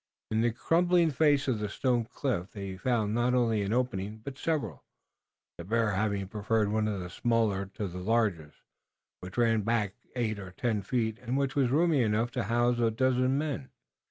In the crumbling face of the stone cliff they found not only an opening but several, the bear having preferred one of the smaller to the largest, which ran back eight or ten feet and which was roomy enough to house a dozen men.